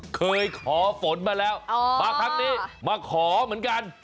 เคยขอฝนมาแล้วมาครั้งนี้มาขอเหมือนกัน